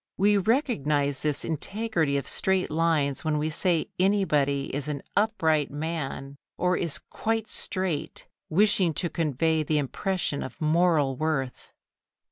We recognise this integrity of straight lines when we say anybody is "an upright man" or is "quite straight," wishing to convey the impression of moral worth.